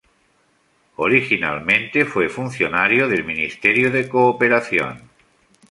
Originalmente fue funcionario del Ministerio de Cooperación.